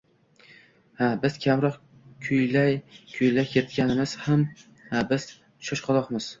Ha, biz kamroq kuylak yirtganmiz, ha biz shoshqaloqmiz